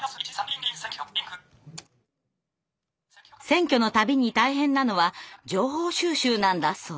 選挙の度に大変なのは情報収集なんだそう。